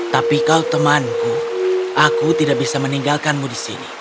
tapi kau temanku aku tidak bisa meninggalkanmu di sini